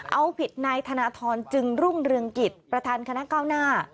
เอาผิดนายธนทรจึงรุ่งเรืองกิจประธานคณะเก้าหน้า